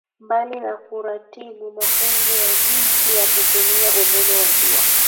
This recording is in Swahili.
Mbali na kuratibu mafunzo ya jinsi ya kutumia umeme wa jua